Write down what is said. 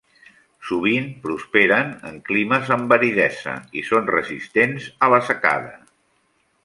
Sovint prosperen en climes amb aridesa i són resistents a la secada.